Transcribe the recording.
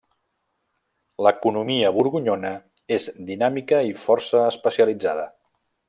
L'economia borgonyona és dinàmica i força especialitzada.